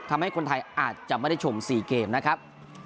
ทำให้คนไทยอาจจะไม่ได้ชม๔เกมนะครับ